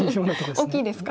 大きいですか。